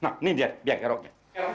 nah ini dia biar geroknya